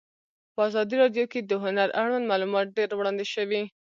په ازادي راډیو کې د هنر اړوند معلومات ډېر وړاندې شوي.